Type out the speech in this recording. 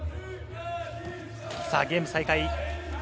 ゲーム再開。